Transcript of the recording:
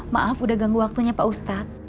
maaf udah ganggu waktunya pak ustadz